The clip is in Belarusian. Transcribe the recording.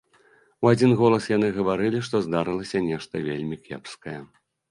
У адзін голас яны гаварылі, што здарылася нешта вельмі кепскае.